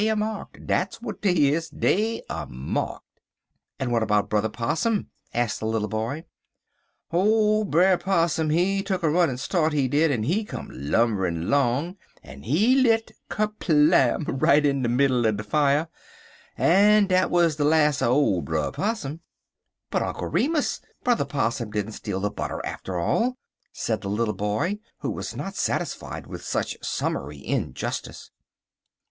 Dey er marked dat's w'at dey is dey er marked." "And what about Brother Possum?" asked the little boy. "Ole Brer Possum, he tuck a runnin' start, he did, en he come lumberin' 'long, en he lit kerblam! right in de middle er de fier, en dat wuz de las' er ole Brer Possum." "But, Uncle Remus, Brother Possum didn't steal the butter after all," said the little boy, who was not at all satisfied with such summary injustice.